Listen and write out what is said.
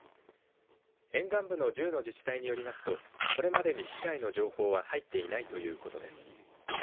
沿岸部の１０の自治体によりますとこれまでに被害の情報は入っていないということです。